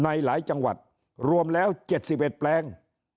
ในหลายจังหวัดรวมแล้ว๗๑แปลง